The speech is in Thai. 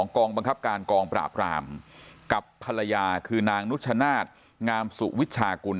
กองบังคับการกองปราบรามกับภรรยาคือนางนุชนาธิ์งามสุวิชากุล